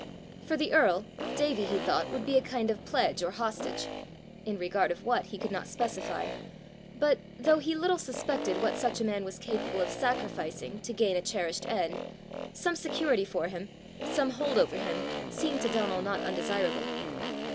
For the earl, Davie, he thought, would be a kind of pledge or hostage in regard of what, he could not specify; but, though he little suspected what such a man was capable of sacrificing to gain a cherished end, some security for him, some hold over him, seemed to Donal not undesirable.